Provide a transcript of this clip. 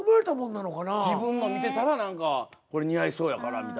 自分の見てたら何かこれ似合いそうやからみたいな。